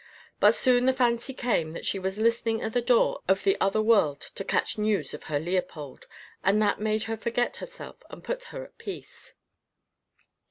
But soon the fancy came, that she was listening at the door of the other world to catch news of her Leopold, and that made her forget herself and put her at peace.